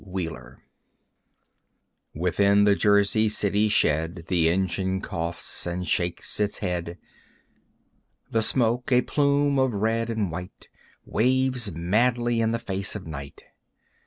Wheeler) Within the Jersey City shed The engine coughs and shakes its head, The smoke, a plume of red and white, Waves madly in the face of night.